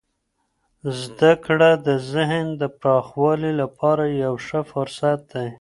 زده کړه د ذهن د پراخوالي لپاره یو ښه فرصت دی.